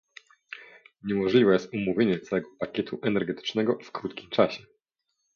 Niemożliwe jest omówienie całego pakietu energetycznego w krótkim czasie